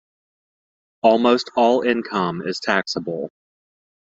Almost all income is taxable.